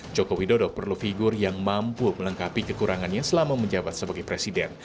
joko widodo perlu figur yang mampu melengkapi kekurangannya selama menjabat sebagai presiden